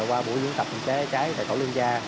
qua buổi diễn tập phòng cháy cháy tại tổ liên gia